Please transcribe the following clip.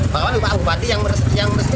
pak wali pak bupati yang meresmikan itu